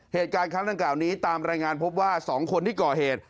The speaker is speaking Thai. เหตุการณ์ครั้งดังกล่าวนี้ตามรายงานพบว่า๒คนที่ก่อเหตุ